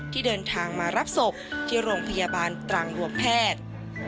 ที่เดินทางมารับศพที่โรงพยาบาลตรังรวมแพทย์